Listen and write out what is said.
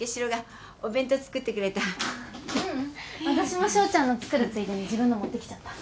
私も翔ちゃんの作るついでに自分の持ってきちゃった。